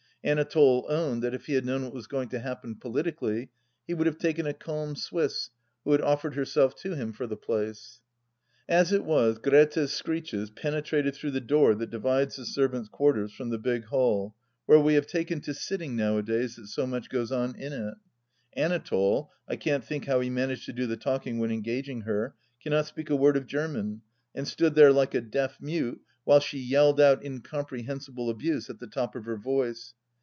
Anatole owned that if he had known what was going to happen, politically, he would have taken a calm Swiss who had offered herself to him for the place. As it was, Grethe's screeches penetrated through the door that divides the servants' quarters from the big hall where we have taken to sitting, nowadays that so much goes on in it. Anatole — I can't think how he managed to do the talking when engaging her — cannot speak a word of Ger man and stood there like a deaf mute while she yelled out incomprehensible abuse at the top of her voice.